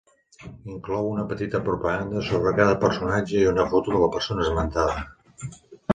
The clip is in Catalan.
Inclou una petita propaganda sobre cada personatge i una foto de la persona esmentada.